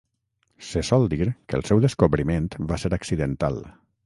Se sol dir que el seu descobriment va ser accidental.